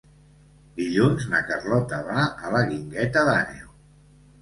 Dilluns na Carlota va a la Guingueta d'Àneu.